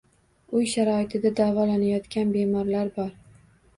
Uy sharoitida davolanayotgan bemorlar bor